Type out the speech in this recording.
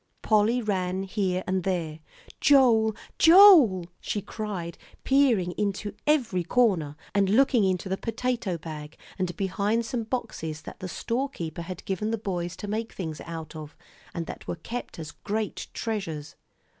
Polly ran here and there. "Joel Joel!" she cried, peering into every corner, and looking into the potato bag and behind some boxes that the storekeeper had given the boys to make things out of, and that were kept as great treasures.